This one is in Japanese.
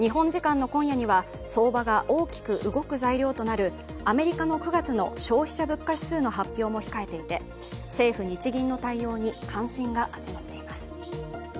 相場が大きく動く材料となるアメリカの９月の消費者物価指数も発表も控えていて政府・日銀の対応に関心が集まっています。